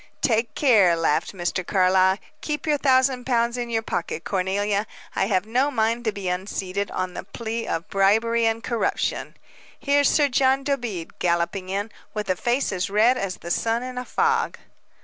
"Take care," laughed Mr. Carlyle. "Keep your thousand pounds in your pocket, Cornelia. I have no mind to be unseated, on the plea of 'bribery and corruption.' Here's Sir John Dobede galloping in, with a face as red as the sun in a fog."